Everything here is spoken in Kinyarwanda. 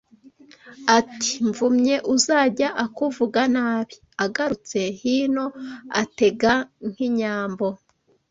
Ati “mvumye uzajya akuvuga nabi Agarutse hino atega nk’ inyambo